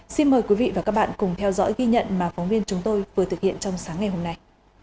xin mời quý vị và các bạn cùng theo dõi ghi nhận mà phóng viên chúng tôi vừa thực hiện trong sáng ngày hôm nay